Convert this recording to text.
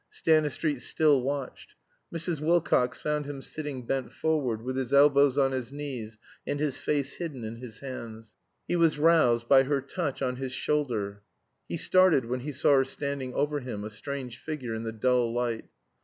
Stanistreet still watched. Mrs. Wilcox found him sitting bent forward, with his elbows on his knees and his face hidden in his hands. He was roused by her touch on his shoulder. He started when he saw her standing over him, a strange figure in the dull light.